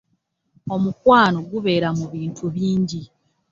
Omukwano gubeera mu bintu bingi.